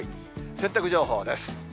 洗濯情報です。